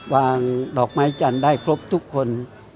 วางดอกไม้จันทร์ได้ครบทุกคน